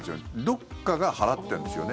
どこかが払ってるんですよね。